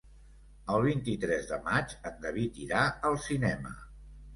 El vint-i-tres de maig en David irà al cinema.